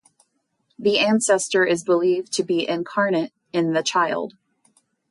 The ancestor is believed to be incarnate in the child.